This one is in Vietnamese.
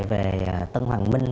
về tân hoàng minh